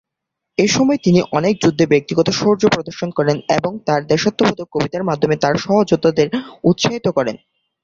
এইসময় তিনি অনেক যুদ্ধে ব্যক্তিগত শৌর্য প্রদর্শন করেন এবং তার দেশাত্মবোধক কবিতার মাধ্যমে তার সহযোদ্ধাদের উৎসাহিত করেন।